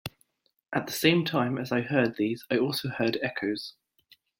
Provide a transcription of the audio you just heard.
At the same time as I heard these I also heard echoes.